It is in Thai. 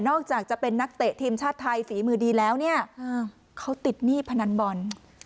อกจากจะเป็นนักเตะทีมชาติไทยฝีมือดีแล้วเนี่ยเขาติดหนี้พนันบอล